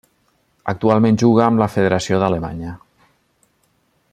Actualment juga amb la federació d'Alemanya.